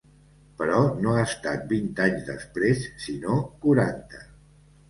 Però no ha estat vint anys després, sinó quaranta.